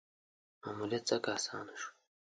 ماموریت ځکه اسانه شو.